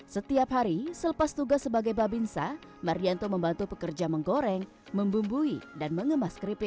setiap hari selepas tugas sebagai babinsa mardianto membantu pekerja menggoreng membumbui dan mengemas keripik